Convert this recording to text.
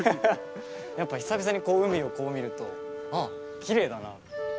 やっぱ久々に海をこう見るとああきれいだな。